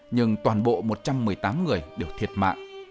nhưng toàn bộ một trăm một mươi tám người đều thiệt mạng